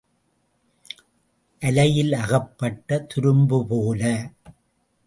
அலையில் அகப்பட்ட துரும்பு போல.